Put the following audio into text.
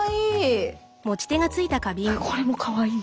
これもかわいい！